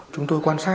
chúng tôi đã tìm ra